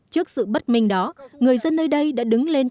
trước sự bất minh đó người dân nơi đây đã đứng lên